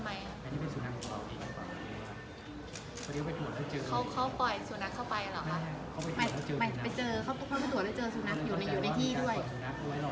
ไม่เขาไปปวดแล้วเจอสุนัขอยู่ในอยู่ในที่ด้วย